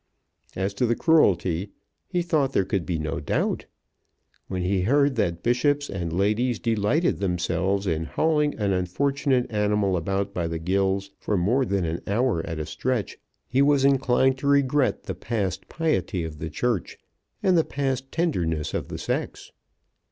As to the cruelty, he thought there could be no doubt. When he heard that bishops and ladies delighted themselves in hauling an unfortunate animal about by the gills for more than an hour at a stretch, he was inclined to regret the past piety of the Church and the past tenderness of the sex.